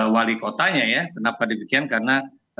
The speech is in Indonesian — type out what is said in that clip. wali kotanya ya kenapa demikian karena